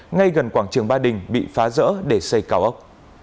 ngay gần quảng trường ba đình bị phá rỡ để xây cao ốc